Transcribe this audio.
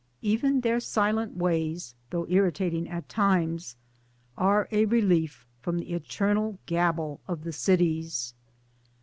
Even their silent ways though irritating at times are a relief from the eternal gabble of the cities.